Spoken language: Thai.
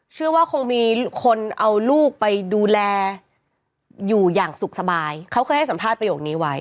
เชื่อว่าคงมีคนเอาลูกไปดูแลอยู่อย่างสุขสบายเขาเคยให้สัมภาษณ์ประโยคนี้ไว้